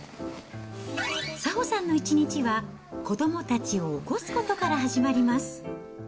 早穂さんの一日は、子どもたちを起こすことから始まります。